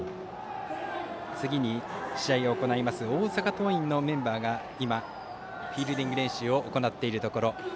次に試合を行います大阪桐蔭のメンバーが今、フィールディング練習を行っているところ。